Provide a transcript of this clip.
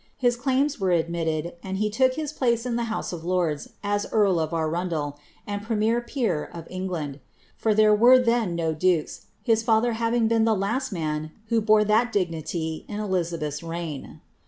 His claims were admitted, and he took his place in the House of Lords, as earl of Arundel, and premier peer of England : for there were then no dukes, his father haying been the last man who bore that dignity in Eliasabeth's reign.